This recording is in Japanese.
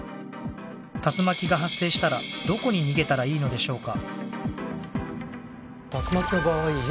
竜巻が発生したらどこに逃げたらいいのでしょうか？